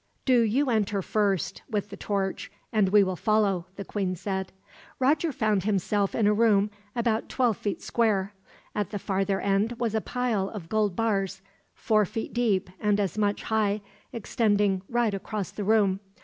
"Do you enter first, with the torch, and we will follow," the queen said. Roger found himself in a room about twelve feet square. At the farther end was a pile of gold bars, four feet deep and as much high, extending right across the room.